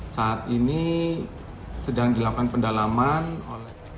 saat ini sedang dilakukan pendalaman oleh